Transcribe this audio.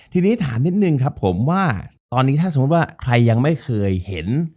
ทีนี้ถามนิดนึงครับผมว่าตอนนี้ถ้าสมมุติว่าใครยังไม่เคยเห็น